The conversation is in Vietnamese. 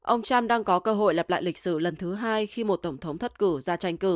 ông trump đang có cơ hội lập lại lịch sử lần thứ hai khi một tổng thống thất cử ra tranh cử